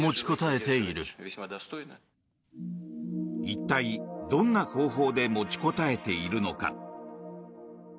一体、どんな方法で持ちこたえているのか。